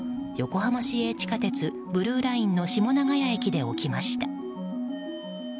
横浜市営地下鉄ブルーラインの下永谷駅で起きました。